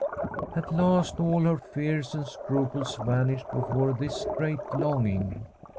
At last all her fears and scruples vanished be fore this great longing.